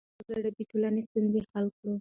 موږ باید په ګډه د ټولنې ستونزې حل کړو.